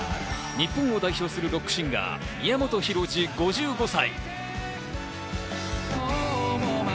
日本を代表するロックシンガー・宮本浩次５５歳。